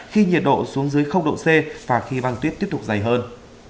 khi nhiệt độ xuống dưới độ c và khi băng tuyết tiếp tục dày hơn